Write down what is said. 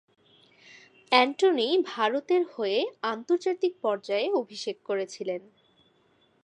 Antony ভারতের হয়ে আন্তর্জাতিক পর্যায়ে অভিষেক করেছিলেন।